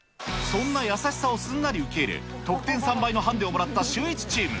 そんな優しさをすんなり受け入れ、得点３倍のハンデをもらったシューイチチーム。